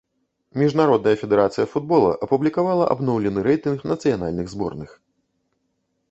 Міжнародная федэрацыя футбола апублікавала абноўлены рэйтынг нацыянальных зборных.